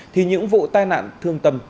thì những vụ tai nạn thương tâm